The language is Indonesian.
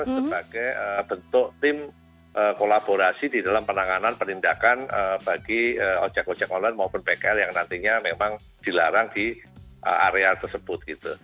sebagai bentuk tim kolaborasi di dalam penanganan penindakan bagi ojek ojek online maupun pkl yang nantinya memang dilarang di area tersebut